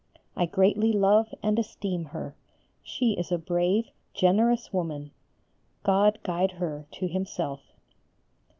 I greatly love and esteem her: she is a brave, generous woman. God guide her to Himself.